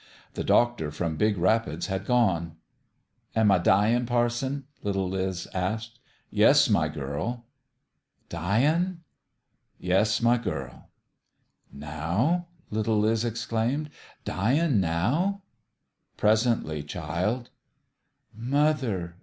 The doctor from Big Rapids had gone. "Am I dyin', parson?" little Liz asked. " Yes, my girl.'' "Dyin'?" " Yes, my girl." "Now ?" little Liz exclaimed. " Dyin' now f " "Presently, child." " Mother